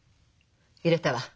揺れたわ。